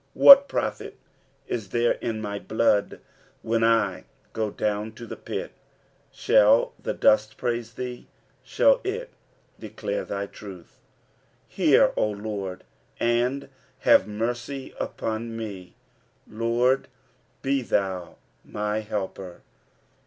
9 What profit is there in my blood, when I go down to the pit ? Shall the dust praise thee ? shall it declare thy truth P 10 Hear, O Lord, and have mercy upon me : Lord, be thou my helper.